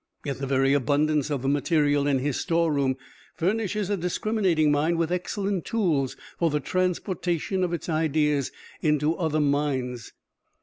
Yet the very abundance of the material in his storeroom furnishes a discriminating mind with excellent tools for the transportation of its ideas into other minds.